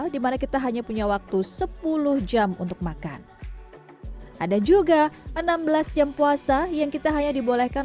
dimana kita hanya punya waktu sepuluh jam untuk makan ada juga enam belas jam puasa yang kita hanya dibolehkan